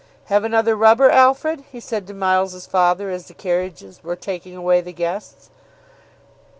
] "Have another rubber, Alfred?" he said to Miles's father as the carriages were taking away the guests.